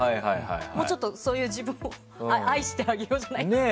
もうちょっと、そういう自分を愛してあげようじゃないですけど。